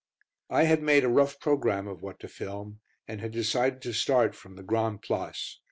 I had made a rough programme of what to film, and decided to start from the Grand Place.